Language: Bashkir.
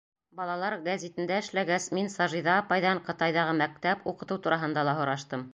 Балалар гәзитендә эшләгәс, мин Сажиҙә апайҙан Ҡытайҙағы мәктәп, уҡытыу тураһында ла һораштым.